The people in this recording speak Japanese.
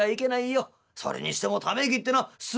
「それにしてもため息ってのはすごいですね」。